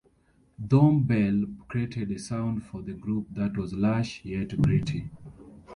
Thom Bell created a sound for the group that was "lush" yet gritty.